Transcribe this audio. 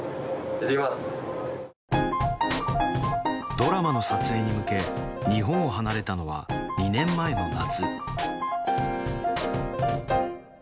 ドラマの撮影に向け日本を離れたのは２年前の夏